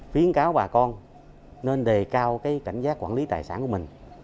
khuyến cáo bà con nên đề cao cảnh giác quản lý tài sản của mình